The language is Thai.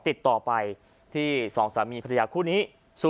ติดต่อไปที่๒สามีพระยาคู่นี้๐๘๙๙๘๘๓๑๓๗๐๘๙๙๘๘๓๑๓๗